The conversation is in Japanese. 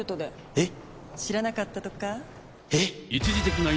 えっ！